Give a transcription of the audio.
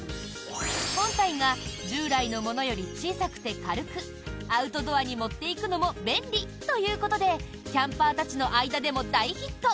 本体が従来のものより小さくて軽くアウトドアに持っていくのも便利ということでキャンパーたちの間でも大ヒット。